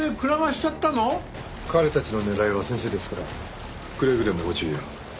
彼たちの狙いは先生ですからくれぐれもご注意を。